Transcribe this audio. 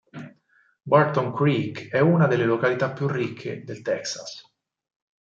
Barton Creek è una delle località più ricche del Texas.